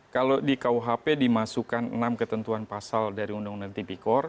kalau di kuhp dimasukkan enam ketentuan pasal dari undang undang tipikor